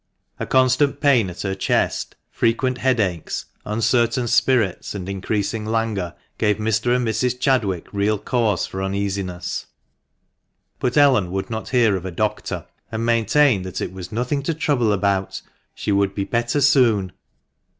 A constant pain at her chest, frequent headaches, uncertain spirits, and increasing langour gave Mr, and Mrs. Chadwick real cause for uneasiness ; but Ellen would not hear of a doctor, and maintained that it was "nothing to trouble about," she would " be better soon."